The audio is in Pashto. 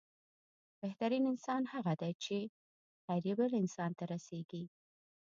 بهترين انسان هغه دی چې، خير يې بل انسان ته رسيږي.